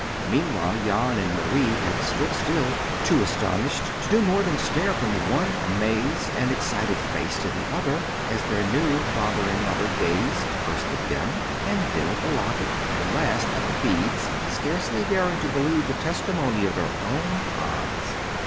Meanwhile Jan and Marie had stood still, too astonished to do more than stare from one amazed and excited face to the other, as their new father and mother gazed, first at them, and then at the locket, and last at the beads, scarcely daring to believe the testimony of their own eyes.